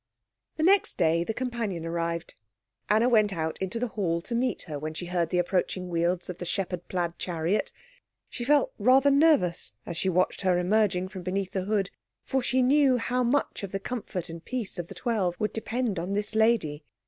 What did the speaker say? The next day the companion arrived. Anna went out into the hall to meet her when she heard the approaching wheels of the shepherd plaid chariot. She felt rather nervous as she watched her emerging from beneath the hood, for she knew how much of the comfort and peace of the twelve would depend on this lady.